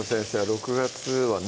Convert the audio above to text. ６月はね